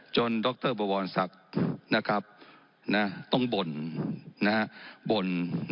จนดรบวศักดิ์ต้องบ่น